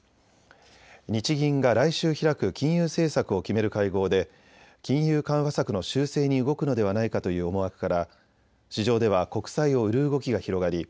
日銀が来週開く金融政策を決める会合で金融緩和策の修正に動くのではないかという思惑から市場では国債を売る動きが広がり